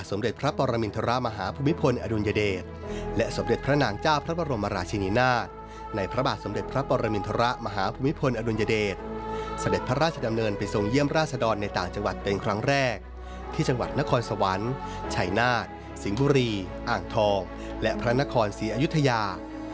สิงห์บุรีอ่างทองและพระนครศรีอยุธยา